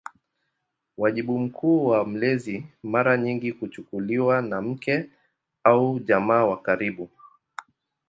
Wajibu mkuu wa mlezi mara nyingi kuchukuliwa na mke au jamaa wa karibu.